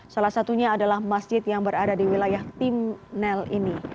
salah satunya adalah masjid yang berada di wilayah timnel ini